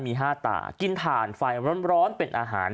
มี๕ตากินถ่านไฟร้อนเป็นอาหาร